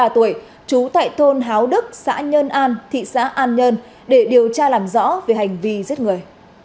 bốn mươi ba tuổi trú tại thôn háo đức xã nhân an thị xã an nhân để điều tra làm rõ về hành vi giết người